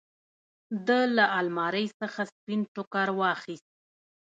ده له المارۍ څخه سپين ټوکر واخېست.